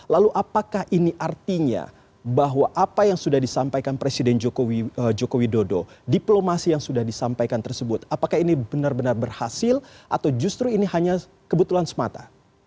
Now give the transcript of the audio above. lalu apakah ini artinya bahwa apa yang sudah disampaikan presiden joko widodo diplomasi yang sudah disampaikan tersebut apakah ini benar benar berhasil atau justru ini hanya kebetulan semata